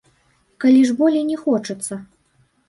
Калі ж болей не хочацца.